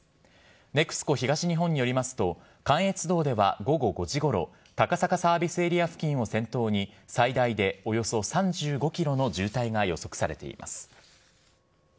ＮＥＸＣＯ東日本によりますと、関越道では午後５時ごろ、高坂サービスエリア付近を先頭に最大でおよそ３５キロの渋滞が予測されています。